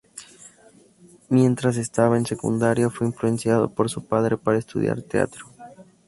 Mientras estaba en secundaria, fue influenciado por su padre para estudiar teatro.